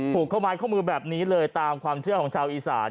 ผูกข้อไม้ข้อมือแบบนี้เลยตามความเชื่อของชาวอีสาน